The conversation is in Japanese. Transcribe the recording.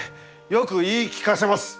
よく言い聞かせます！